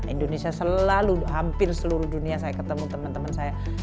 indonesia selalu hampir seluruh dunia saya ketemu teman teman saya